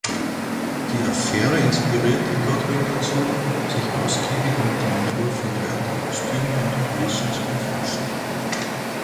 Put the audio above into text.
Die Affäre inspirierte Godwin dazu, sich ausgiebig mit dem Entwurf von Theaterkostümen und -kulissen zu befassen.